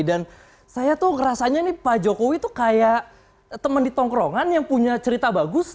dan saya tuh ngerasanya nih pak jokowi tuh kayak temen di tongkrongan yang punya cerita bagus